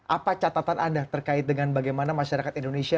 apa catatan anda terkait dengan bagaimana masyarakat indonesia